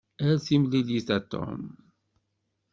Ar timlilit a Tom.